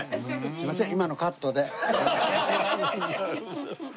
すいません。